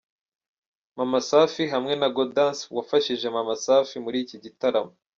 Mama Safi hamwe na Gaudence wafashije Maman Safi muri iki gitaramo.